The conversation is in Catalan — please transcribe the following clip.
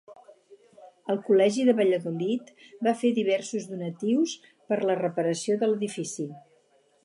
Al Col·legi de Valladolid va fer diversos donatius per la reparació de l'edifici.